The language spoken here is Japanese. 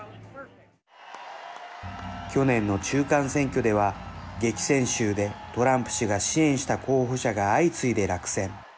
去年の中間選挙では激戦州でトランプ氏が支援した候補者が相次いで落選。